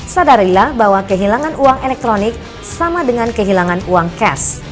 sadarilah bahwa kehilangan uang elektronik sama dengan kehilangan uang cash